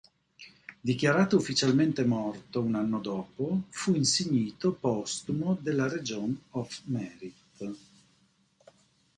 Dichiarato ufficialmente morto un anno dopo, fu insignito postumo della Legion of Merit.